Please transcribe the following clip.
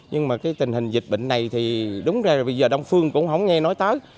nhưng mà cái tình hình dịch bệnh này thì đúng ra là bây giờ đông phương cũng không nghe nói tới